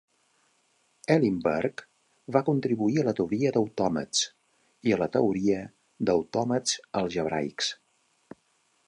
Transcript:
Eilenberg va contribuir a la teoria d'autòmats i a la teoria d'autòmats algebraics.